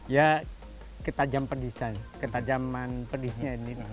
ya ketajaman pedisnya ini